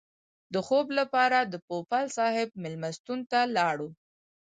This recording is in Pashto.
د خوب لپاره د پوپل صاحب مېلمستون ته لاړو.